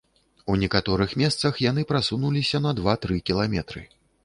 У некаторых месцах яны прасунуліся на два-тры кіламетры.